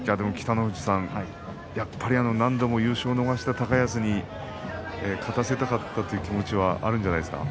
やっぱり何度も優勝を逃した高安に勝たせたかったという気持ちはあるんじゃないですか。